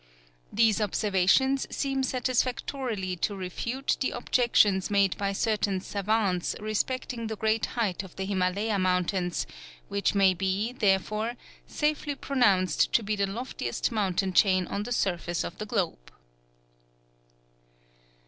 These observations seem satisfactorily to refute the objections made by certain savants respecting the great height of the Himalaya mountains, which may be, therefore, safely pronounced to be the loftiest mountain chain on the surface of the globe."